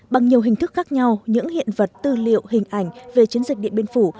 bằng nhiều hình thức khác nhau những hiện vật tư liệu hình ảnh về chiến dịch điện biên phủ